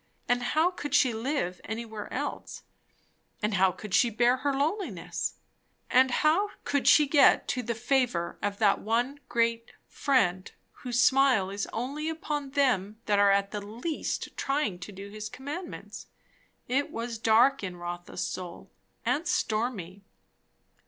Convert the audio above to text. and how could she live anywhere else? and how could she bear her loneliness? and how could she get to the favour of that one great Friend, whose smile is only upon them that are at least trying to do his commandments? It was dark in Rotha's soul, and stormy.